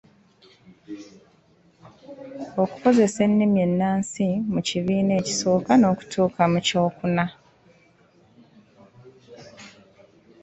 Okukozesa ennimi ennansi mu kibiina ekisooka okutuuka mu kyokuna.